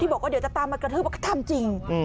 บอกว่าเดี๋ยวจะตามมากระทืบว่าเขาทำจริง